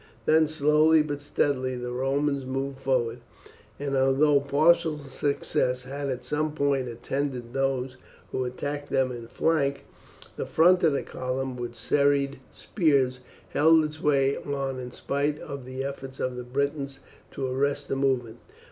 Then slowly but steadily the Romans moved forward, and although partial success had at some points attended those who attacked them in flank, the front of the column with serried spears held its way on in spite of the efforts of the Britons to arrest the movement.